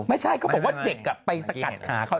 ไม่ใช่เขาบอกว่าเด็กไปสกัดขาเขา